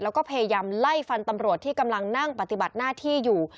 แล้วก็พยายามไล่ฟันตำรวจที่กำลังนั่งปฏิบัติหน้าที่อยู่